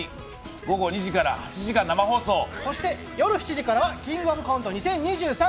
午後２時から８時間生放送そして、夜７時からは「キングオブコント２０２３」。